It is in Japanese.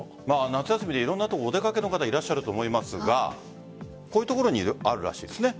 夏休み、いろんな所にお出かけの方いらっしゃると思いますがこういうところにあるらしいです。